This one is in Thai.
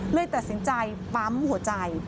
เลยตัดสินใจปั๊มหัวใจ